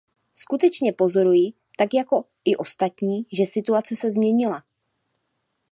Skutečně pozoruji, tak jako i ostatní, že situace se změnila.